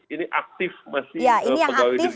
ini aktif masih pegawai dirijen pajak